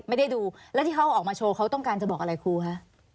ไม่ได้ดูแล้วที่เขาออกมาโชว์เขาต้องการจะบอกอะไรครูคะ